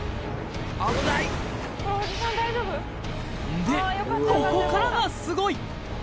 んでここからがすごい！